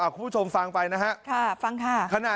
คุณผู้ชมฟังไปนะฮะ